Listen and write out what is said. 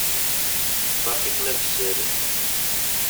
Beṛka-kem abessel.